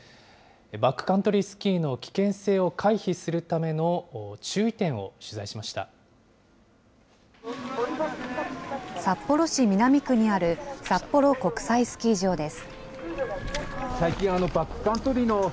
バックカントリースキーの危険性を回避するための注意点を取材し札幌市南区にある、札幌国際スキー場です。